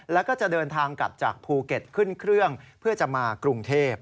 แล้วก็จะเดินทางกลับจากภูเก็ตขึ้นเครื่องเพื่อจะมากรุงเทพ